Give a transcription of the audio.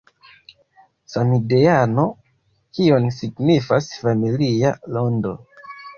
Samideano, kion signifas familia rondo